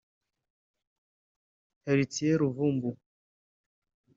Heritier Luvumbu